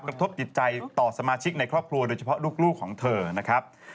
กระทบจิตใจต่อสมาชิกในครอบครัวโดยเฉพาะลูกของเธอนะครับ